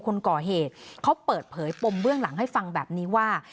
คนก่อเหตุเขาเปิดเผยปมเบื้องหลังให้ฟังแบบนี้ว่า